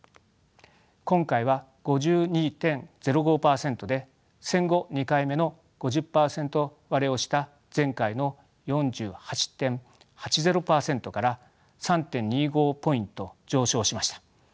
今回は５２．０５％で戦後２回目の５０％割れをした前回の４８．８０％から３．２５ポイント上昇しました。